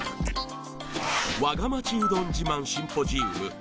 わが町うどん自慢シンポジウム